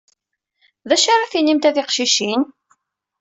D acu ara tinimt a tiqcicin?